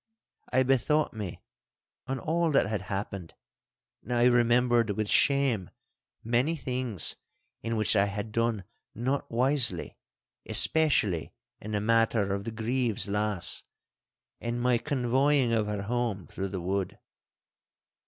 I bethought me on all that had happened, and I remembered with shame many things in which I had done not wisely especially in the matter of the Grieve's lass, and my convoying of her home through the wood.